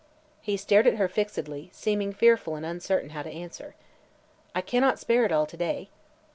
He stared at her fixedly, seeming fearful and uncertain how to answer. "I cannot spare it all today."